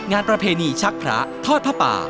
งานประเพณีชักพระทอดพระป่า